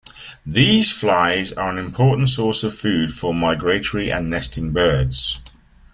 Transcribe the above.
These flies are an important source of food for migratory and nesting birds.